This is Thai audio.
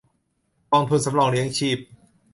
กองทุนสำรองเลี้ยงชีพ